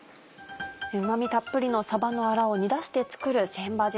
うまみたっぷりのさばのアラを煮出して作る船場汁。